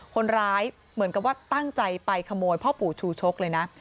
คนร้ายเหมือนกับว่าตั้งใจไปขโมยพ่อปู่ชูชกเลยนะ